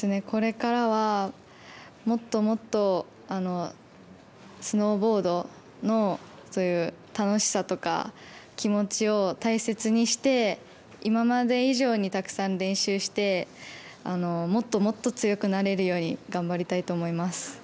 これからは、もっともっとスノーボードのそういう楽しさとか気持ちを大切にして今まで以上にたくさん練習してもっともっと強くなれるように頑張りたいと思います。